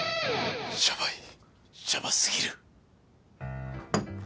シャバいシャバすぎる。